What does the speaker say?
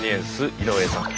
井上さん